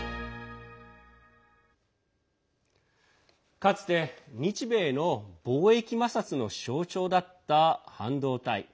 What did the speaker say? かつて日米の貿易摩擦の象徴だった半導体。